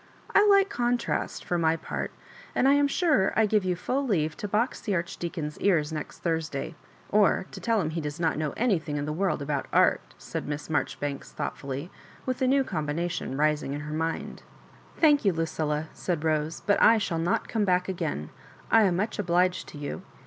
" I like contrast, for my part ; and I am sure I give you full leave to box the Archdeacon's ears next Thursday ; or to tell him he does not know anything in the world about art," said Miss Mar joribanks, thoughtfully, with a new combination rising in her mind. "Thank you, Lucilla," said Rose, "but I shall not come back again. I am much obliged to you.